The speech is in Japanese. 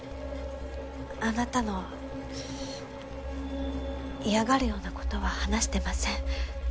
あなたの嫌がるような事は話してません。